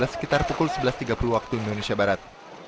sekitar pukul sebelas tiga puluh waktu indonesia barat